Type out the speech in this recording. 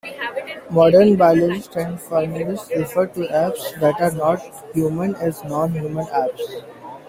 Modern biologists and primatologists refer to apes that are not human as "non-human" apes.